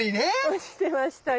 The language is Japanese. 落ちてましたよ。